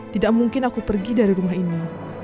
tidak mungkin aku pergi dari rumah ini